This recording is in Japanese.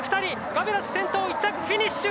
ガベラス先頭１着フィニッシュ！